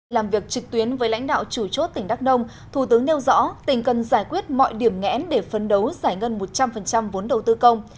làm việc trực tuyến với lãnh đạo chủ chốt tỉnh đắk nông thủ tướng nêu rõ tỉnh cần giải quyết mọi điểm nghẽn để phấn đấu giải ngân một trăm linh vốn đầu tư công